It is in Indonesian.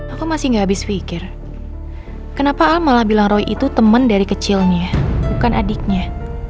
aku masih gak habis pikir kenapa al malah bilang roy itu teman dari kecilnya bukan adiknya